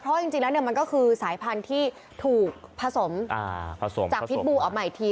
เพราะจริงแล้วมันก็คือสายพันธุ์ที่ถูกผสมผสมจากพิษบูออกมาอีกที